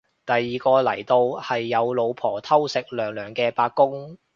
第二個嚟到係有老婆偷食娘娘嘅八公